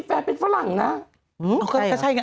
ครับเป็นเฟรังนะ